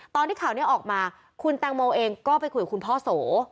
ข่าวนี้ออกมาคุณแตงโมเองก็ไปคุยกับคุณพ่อโส